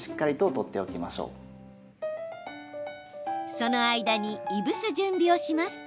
その間に、いぶす準備をします。